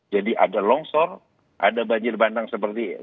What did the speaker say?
jadi ada longshore ada banjir bandang seperti sekarang ini